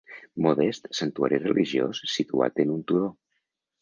Modest santuari religiós situat en un turó.